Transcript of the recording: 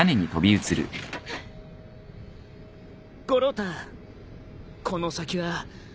五郎太この先は。